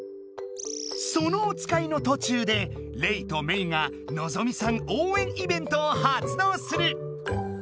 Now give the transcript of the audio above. そのおつかいのとちゅうでレイとメイがのぞみさん応援イベントを発動する！